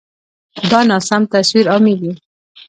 دا ناسم تصویر عامېږي.